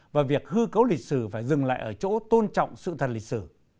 và việc hư cấu lịch sử phải dừng lại ở chỗ tôn trọng sự thật lịch sử